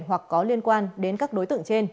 hoặc có liên quan đến các đối tượng